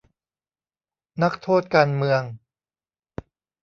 นักโทษการเมือง